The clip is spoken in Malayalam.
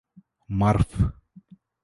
മര്ഫ്